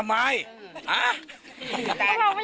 เอาอีกแล้ว